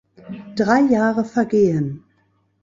Drei Jahre vergehen.